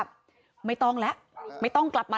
เจ้าของห้องเช่าโพสต์คลิปนี้